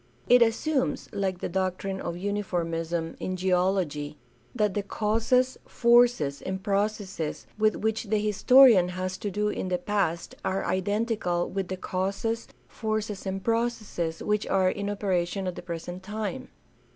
It assumes, like the doctrine of uniformism in geology, that the causes, forces, and processes with which the historian has to do in the past are identical with the causes, forces, and processes which are in operation at the present time.